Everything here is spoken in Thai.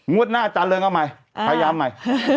หน้าอาจารย์เริงเอาใหม่พยายามใหม่